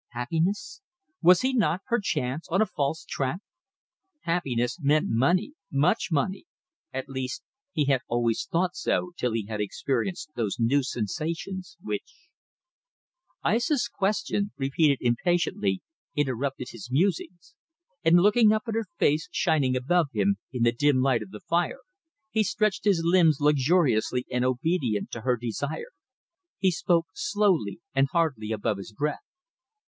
Happiness? Was he not, perchance, on a false track? Happiness meant money. Much money. At least he had always thought so till he had experienced those new sensations which ... Aissa's question, repeated impatiently, interrupted his musings, and looking up at her face shining above him in the dim light of the fire he stretched his limbs luxuriously and obedient to her desire, he spoke slowly and hardly above his breath.